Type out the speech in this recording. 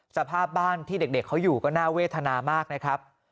สภาพบ้านที่เด็กเขาอยู่ก็น่าเวทนามากนะครับ